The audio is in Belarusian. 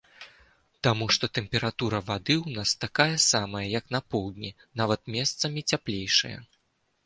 Таму што тэмпература вады ў нас такая самая, як на поўдні, нават месцамі цяплейшая.